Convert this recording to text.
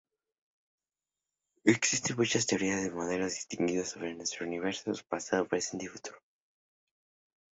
Existen muchas teorías y modelos distintos sobre nuestro universo, su pasado, presente y futuro.